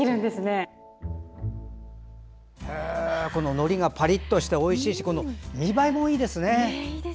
のりがパリッとしておいしいし見栄えもいいですね。